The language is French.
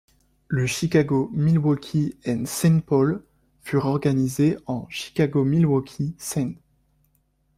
Le Chicago, Milwaukee and St Paul fut réorganisé en Chicago, Milwaukee, St.